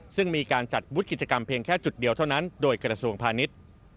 ซึ่งมีการจัดวุฒิกิจกรรมเพียงแค่จุดเดียวเท่านั้นโดยกระทรวงพาณิชย์